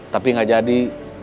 tapi gak jadi